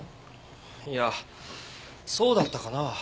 いやそうだったかな？